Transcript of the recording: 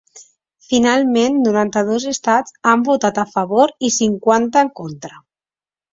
Finalment noranta-dos estats han votat a favor i cinquanta en contra.